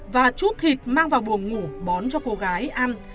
và chút thịt mang vào buồng ngủ bón cho cô gái ăn